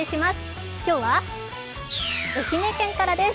今日は愛媛県からです。